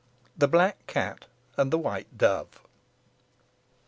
THE BLACK CAT AND THE WHITE DOVE.